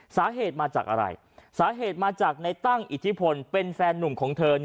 สาเหตุมาจากอะไรสาเหตุมาจากในตั้งอิทธิพลเป็นแฟนหนุ่มของเธอ